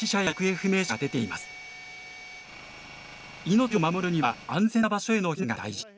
命を守るには安全な場所への避難が大事。